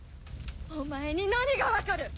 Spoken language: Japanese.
お前に何が分かる！